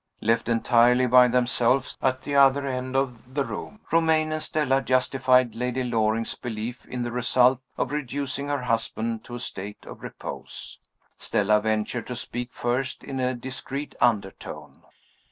Left entirely by themselves, at the other end of the room, Romayne and Stella justified Lady Loring's belief in the result of reducing her husband to a state of repose. Stella ventured to speak first, in a discreet undertone.